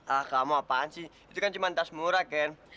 ah kamu apaan sih itu kan cuma tas murah kan